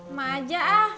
emang aja ah